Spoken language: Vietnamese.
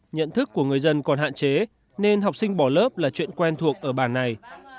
nhận thức của người dân còn hạn chế nên học sinh bỏ lớp là chuyện quen thuộc ở bản này